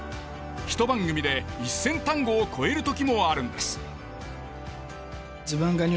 ひと番組で１，０００単語を超える時もあるんです。